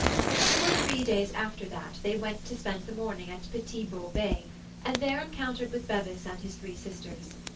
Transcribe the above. Two or three days after they went to spend the morning at Petit Bot Bay, and there encountered with Bevis and his three sisters.